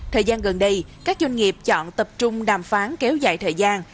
thời gian gần đây các doanh nghiệp chọn tập trung đàm phán kéo dài thời gian